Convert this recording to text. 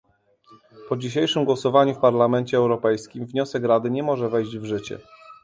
Po dzisiejszym głosowaniu w Parlamencie Europejskim wniosek Rady nie może wejść w życie